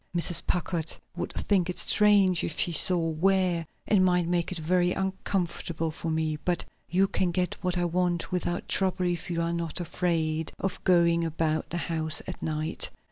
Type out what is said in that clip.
Mrs. Packard would think it strange if she saw where, and might make it very uncomfortable for me. But you can get what I want without trouble if you are not afraid of going about the house at night.